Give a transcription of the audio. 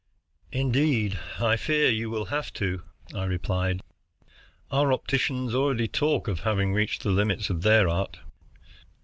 "Indeed, I fear you will have to," I replied. "Our opticians already talk of having reached the limits of their art."